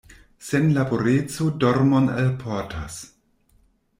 Senlaboreco dormon alportas.